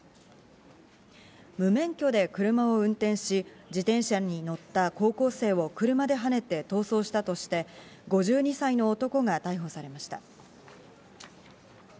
無免許で車を運転し、自転車に乗った高校生を車ではねて逃走したとして５２歳の男が逮捕されました。